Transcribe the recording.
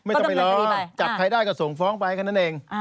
ไม่ต้องไปร้องจับใครได้ก็ส่งฟ้องไปแค่นั้นเอง